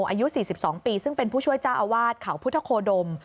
อายุ๔๒ปีซึ่งเป็นผู้ช่วยเจ้าอาวาสเขาพุทธโคดม